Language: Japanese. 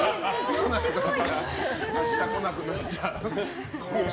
明日来なくなっちゃう。